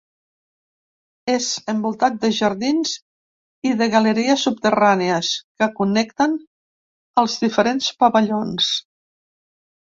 És envoltat de jardins i de galeries subterrànies que connecten els diferents pavellons.